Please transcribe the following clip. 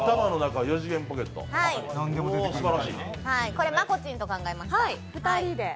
これ真子ちんと考えました。